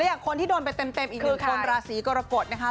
อย่างคนที่โดนไปเต็มอีกหนึ่งคนราศีกรกฎนะคะ